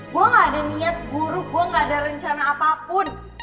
gue gak ada niat buruk gue gak ada rencana apapun